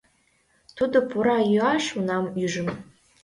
Тудо пура йӱаш унам ӱжым